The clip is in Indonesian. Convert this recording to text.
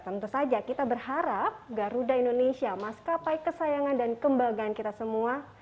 tentu saja kita berharap garuda indonesia maskapai kesayangan dan kembagaan kita semua